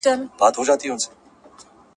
زه مخکي اوبه پاکې کړې وې؟!